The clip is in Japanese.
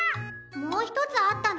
もうひとつあったの？